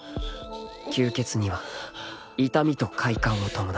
［吸血には痛みと快感を伴う］